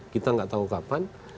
kita gak tahu kapan